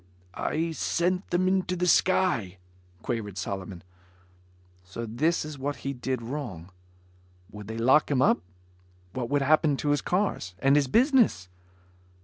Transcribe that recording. "I sent them into the sky," quavered Solomon. So this is what he did wrong. Would they lock him up? What would happen to his cars? And his business?